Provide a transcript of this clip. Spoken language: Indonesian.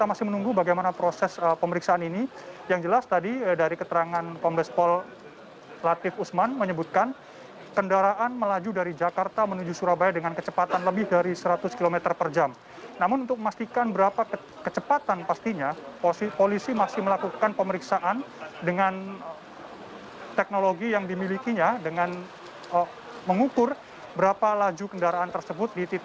ada juga satu orang yang merupakan pengasuh anak dari pasangan tersebut yang juga berada di posisi kedua dari kendaraan tersebut